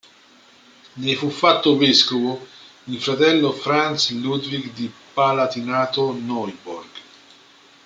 Ne fu fatto vescovo il fratello Franz Ludwig di Palatinato-Neuburg.